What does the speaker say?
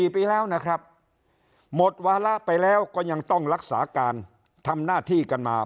๔ปีแล้วนะครับหมดวาระไปแล้วก็ยังต้องรักษาการทำหน้าที่กันมา